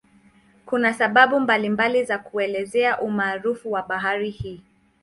Kuna sababu mbalimbali za kuelezea umaarufu wa bahari hii.